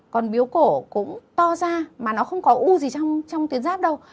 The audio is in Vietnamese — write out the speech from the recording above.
còn biếu cổ cũng to ra mà nó không có u gì trong tuyến giáp đâu